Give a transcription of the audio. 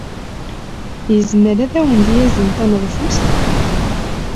Yezmer ad awent-d-yazen taneḍfust?